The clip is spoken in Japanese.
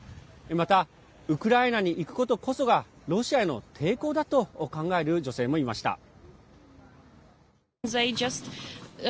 また、ウクライナに行くことこそがロシアへの抵抗だと考える女性もいました。